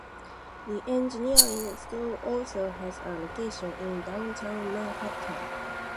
The engineering school also has a location in downtown Manhattan.